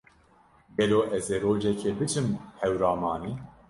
Gelo ez ê rojekê biçim Hewramanê.